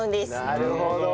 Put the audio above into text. なるほど！